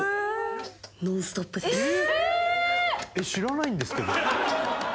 知らないんですけど。